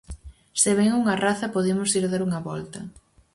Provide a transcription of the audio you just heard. Se vén unha raza, podemos ir dar unha volta.